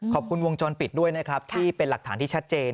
ขอบคุณวงจรปิดด้วยนะครับที่เป็นหลักฐานที่ชัดเจน